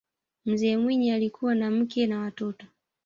mzee mwinyi alikuwa na mke na watoto